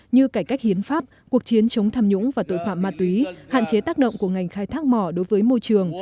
như cải cách hiến pháp cuộc chiến chống tham nhũng và tội phạm ma túy hạn chế tác động của ngành khai thác mỏ đối với môi trường